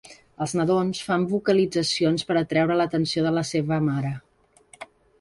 Els nadons fan vocalitzacions per atreure l'atenció de la seva mare.